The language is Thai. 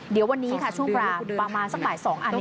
เดี๋ยววันนี้ค่ะช่วงกลางประมาณสักบ่าย๒อันนี้